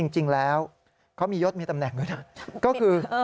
จริงแล้วเขามียศมีตำแหน่งด้วยนะก็คือ